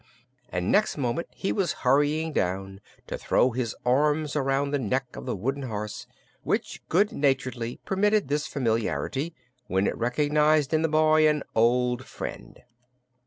and next moment he was rushing down to throw his arms around the neck of the wooden horse, which good naturedly permitted this familiarity when it recognized in the boy an old friend.